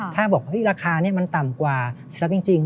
ถ้าบอกว่าราคามันต่ำกว่าสินทรัพย์จริง